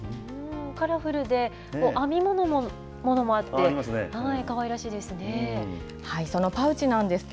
カラフルで、編み物のものもあって、かわいらしいですね。